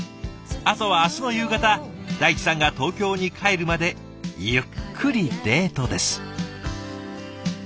あとは明日の夕方大地さんが東京に帰るまでゆっくりデートです。